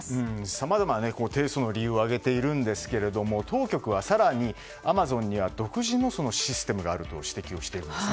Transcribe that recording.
さまざま提訴の理由を挙げているんですが当局は更にアマゾンには独自のシステムがあると指摘しています。